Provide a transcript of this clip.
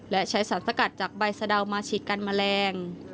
และใช้สารสกัดจากใบสะดาวมาฉีดกันแมลง